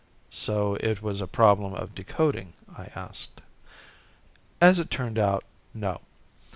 "So it was a problem of decoding?" I asked. "As it turned out, no.